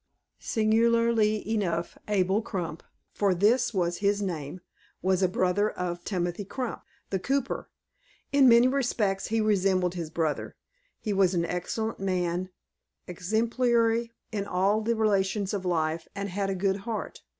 Singularly enough Abel Crump, for this was his name, was a brother of Timothy Crump, the cooper. In many respects he resembled his brother. He was an excellent man, exemplary in all the relations of life, and had a good heart.